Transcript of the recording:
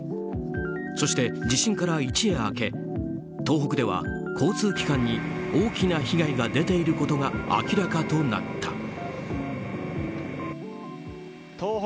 そして、地震から一夜明け東北では交通機関に大きな被害が出ていることが明らかとなった。